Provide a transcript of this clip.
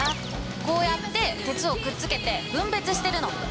こうやって鉄をくっつけて分別してるの。